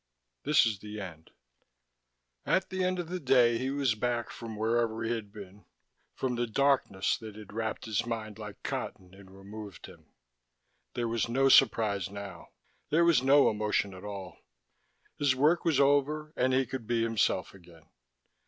This is the end. At the end of the day he was back from wherever he had been, from the darkness that had wrapped his mind like cotton and removed him. There was no surprise now. There was no emotion at all: his work was over and he could be himself again.